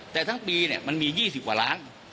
แต่ทั้งปีมันมี๒๐กว่าล้าน